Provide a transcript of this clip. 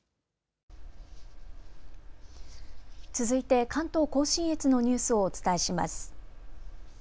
続いて関東甲信越のニュースをお伝えします。